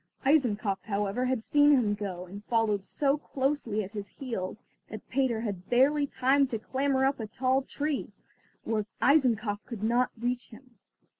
Eisenkopf, however, had seen him go, and followed so closely at his heels that Peter had barely time to clamber up a tall tree, where Eisenkopf could not reach him.